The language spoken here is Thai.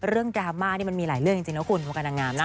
ดราม่านี่มันมีหลายเรื่องจริงนะคุณวงการนางงามนะ